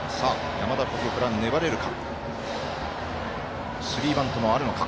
山田、ここから粘れるか。